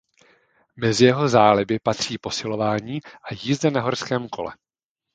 Mezi jeho záliby patří posilování a jízda na horském kole.